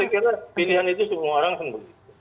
saya kira pilihan itu semua orang sembunyi